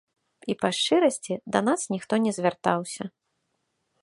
І, па шчырасці, да нас ніхто не звяртаўся.